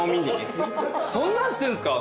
そんなんしてるんすか？